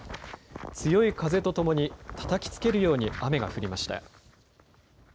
強い風とともにたたきつけるように雨が降りました。